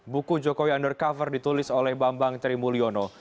buku jokowi undercover ditulis oleh bambang trimulyono